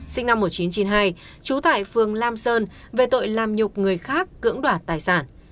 sinh năm một nghìn chín trăm chín mươi hai trú tại phường lam sơn về tội làm nhục người khác cưỡng đoạt tài sản